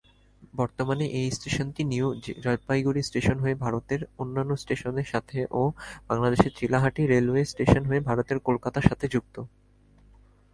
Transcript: বর্তমানে এই স্টেশনটি নিউ-জলপাইগুড়ি স্টেশন হয়ে ভারতের অন্যান্য স্টেশনের সাথে ও বাংলাদেশের চিলাহাটি রেলওয়ে স্টেশন হয়ে ভারতের কলকাতার সাথে যুক্ত।